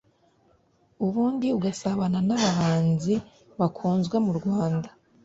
ubundi ugasabana n’abahanzi bakunzwe mu Rwanda